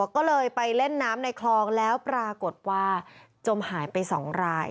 ก็เลยไปเล่นน้ำในคลองแล้วปรากฏว่าจมหายไป๒ราย